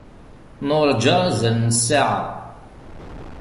Nuṛǧa azal n ssaɛa.